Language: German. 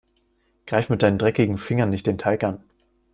Greif mit deinen dreckigen Fingern nicht den Teig an.